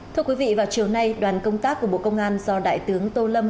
thưa quý vị vào chiều nay đoàn công tác của bộ công an do đại tướng tô lâm